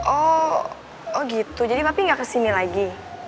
oh oh gitu jadi papi gak kesini lagi